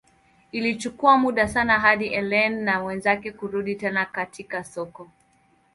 Ilichukua muda sana hadi Ellen na mwenzake kurudi tena katika soko.